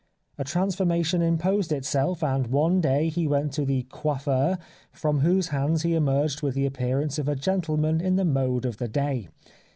A transformation imposed itself, and one day he went to the coiffeur, from whose hands he emerged with the appearance of a gentleman in the mode of the day.